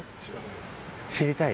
知りたい？